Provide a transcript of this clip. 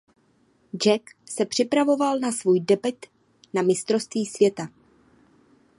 Jack se připravoval na svůj debut na mistrovství světa.